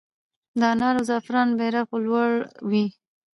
د انار او زعفرانو بیرغ به لوړ وي؟